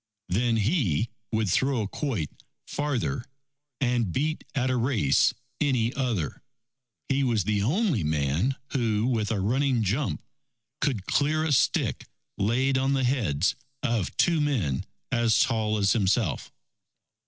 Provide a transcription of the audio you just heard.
Then he would throw a quoit farther, and beat at a race any other. He was the only man, who with a running jump, could clear a stick laid on the heads of two men as tall as himself.